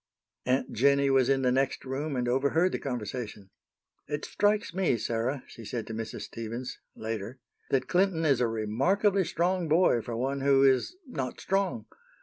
Aunt Jennie was in the next room and overheard the conversation. "It strikes me, Sarah," she said to Mrs. Stevens, later, "that Clinton is a remarkably strong boy for one who is not strong.